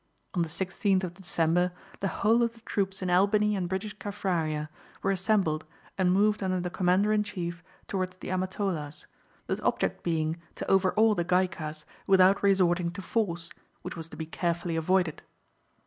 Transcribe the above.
On the 16th of December the whole of the troops in Albany and British Kaffraria were assembled and moved under the Commander in Chief towards the Amatolas, the object being to overawe the Gaikas without resorting to force, which was to be carefully avoided.